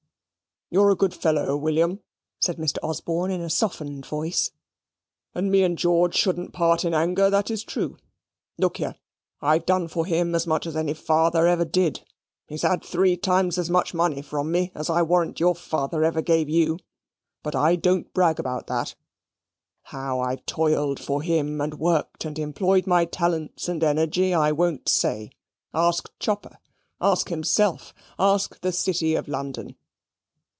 "You are a good fellow, William," said Mr. Osborne in a softened voice; "and me and George shouldn't part in anger, that is true. Look here. I've done for him as much as any father ever did. He's had three times as much money from me, as I warrant your father ever gave you. But I don't brag about that. How I've toiled for him, and worked and employed my talents and energy, I won't say. Ask Chopper. Ask himself. Ask the City of London.